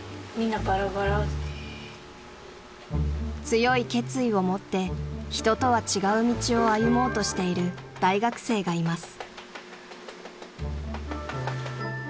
［強い決意を持って人とは違う道を歩もうとしている大学生がいます］